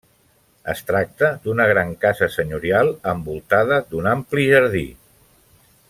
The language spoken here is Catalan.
Es tracta d'una gran casa senyorial envoltada d'un ampli jardí.